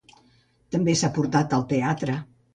També s'ha portat al teatre.